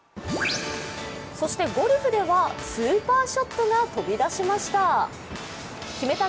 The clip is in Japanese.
そしてゴルフではスーパーショットが飛び出しました。